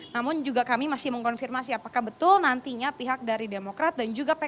namun juga kami masih mengkonfirmasi apakah betul nantinya pihak dari demokrat dan juga pks